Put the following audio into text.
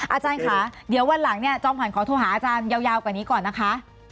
อาจารย์ค่ะเดี๋ยววันหลังเนี่ยจอมขวัญขอโทรหาอาจารย์ยาวกว่านี้ก่อนนะคะ